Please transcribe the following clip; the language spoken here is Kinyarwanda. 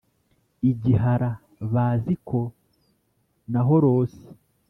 i gihara bazi ko nahorose